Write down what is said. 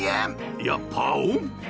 いや、パオン！